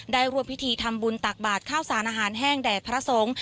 รวมพิธีทำบุญตักบาทข้าวสารอาหารแห้งแด่พระสงฆ์